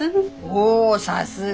おおさすが。